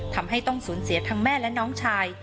ทำให้ต้องสูญเสียทั้งแม่และน้องชาย